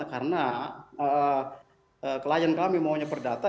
karena klien kami maunya perdata